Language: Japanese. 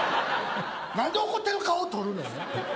何で怒ってる顔を撮るの？